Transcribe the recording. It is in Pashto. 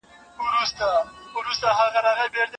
نوح ته ولاړم تر توپانه